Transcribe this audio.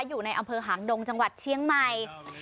อยู่ในอำเภอหางดงจังหวัดเชียงใหม่